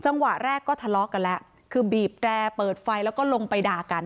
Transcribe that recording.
จังหวะแรกก็ทะเลาะกันแล้วคือบีบแรร์เปิดไฟแล้วก็ลงไปด่ากัน